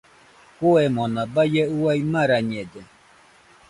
Kuemona baie uai marañede.